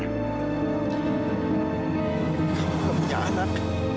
kamu punya anak